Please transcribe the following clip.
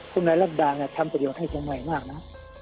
คุณรักษ์ดาลท์ทำประโยชน์ให้จังใหม่มากนะ